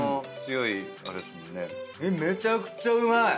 めちゃくちゃうまい！